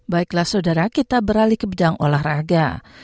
baiklah saudara kita beralih ke bidang olahraga